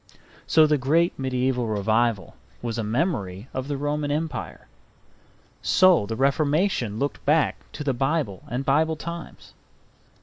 So the great mediaeval revival was a memory of the Roman Empire. So the Reformation looked back to the Bible and Bible times.